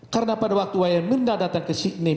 karena pada waktu wayang mirna datang ke sydney